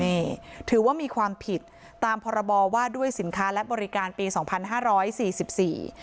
นี่ถือว่ามีความผิดตามพรบว่าด้วยสินค้าและบริการปีสองพันห้าร้อยสี่สิบสี่